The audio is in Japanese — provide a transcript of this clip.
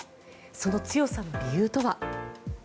その強さの理由とは。